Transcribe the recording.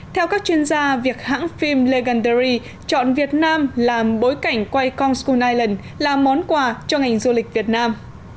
theo các chuyên gia việc hãng phim legendary chọn việt nam làm bối cảnh quay kongskun island là món quà cho ngành du lịch việt nam